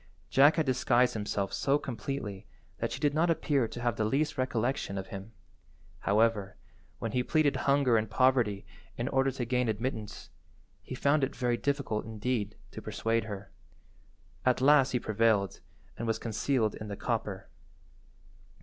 Jack had disguised himself so completely that she did not appear to have the least recollection of him. However, when he pleaded hunger and poverty in order to gain admittance, he found it very difficult, indeed, to persuade her. At last he prevailed, and was concealed in the copper.